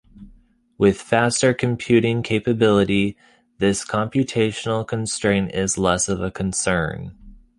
With faster computing capability this computational constraint is less of a concern.